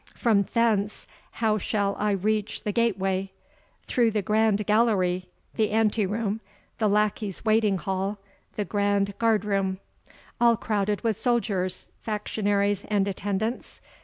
"From thence how shall I reach the gateway?" "Through the grand gallery, the anteroom, the lackeys' waiting hall, the grand guardroom " "All crowded with soldiers, factionaries, and attendants?